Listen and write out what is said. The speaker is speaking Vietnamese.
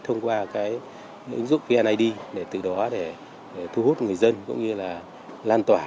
thông qua cái ứng dụng vneid để từ đó để thu hút người dân cũng như là lan tỏa